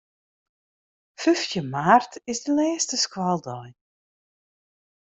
Fyftjin maart is de lêste skoaldei.